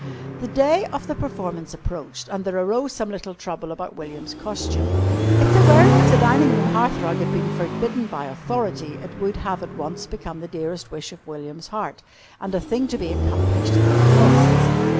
The day of the performance approached, and there arose some little trouble about William's costume. If the wearing of the dining room hearth rug had been forbidden by Authority it would have at once become the dearest wish of William's heart and a thing to be accomplished at all costs.